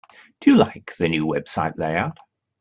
Do you like the new website layout?